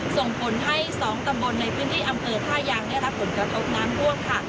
ส่งผลให้๒ตำบลในพื้นที่อำเภอท่ายางได้รับผลกระทบน้ำท่วมค่ะ